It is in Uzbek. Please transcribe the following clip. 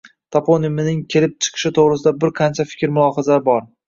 Toponimining kelib chiqishi to‘g‘risida bir qancha fikr-mulohazalar bor: